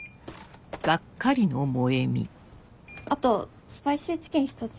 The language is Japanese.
あとスパイシーチキン１つ。